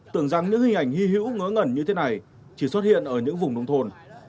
tưởng rằng những hình ảnh hy hữu ngớ ngẩn như thế này chỉ xuất hiện ở những vùng nông thôn